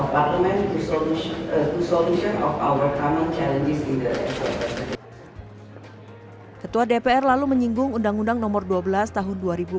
pemimpin ppr lalu menyinggung undang undang nomor dua belas tahun dua ribu empat belas